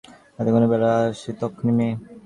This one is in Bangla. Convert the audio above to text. ওকে এতটুকু বেলা থেকে দেখে আসছি– লক্ষ্ণী মেয়ে।